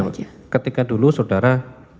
iya ketika dulu saudara